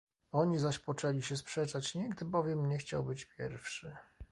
"Oni zaś poczęli się sprzeczać, nikt bowiem nie chciał być pierwszy."